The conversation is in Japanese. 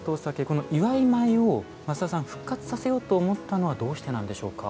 この祝米を増田さん復活させようと思ったのはどうしてなんでしょうか？